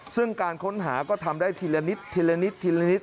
ซึ่งการค้นหาก็ทำได้ทีละนิด